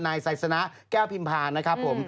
นายแสรษณะแก้วพิมพานนะครับผม